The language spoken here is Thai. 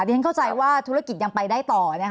ฉันเข้าใจว่าธุรกิจยังไปได้ต่อ